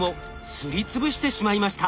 すり潰してしまいました。